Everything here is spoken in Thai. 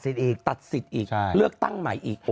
ตัดสิทธิ์อีก